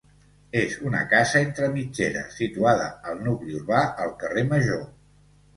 És una casa entre mitgeres, situada al nucli urbà, al carrer Major.